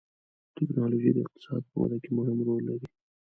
ټکنالوجي د اقتصاد په وده کې مهم رول لري.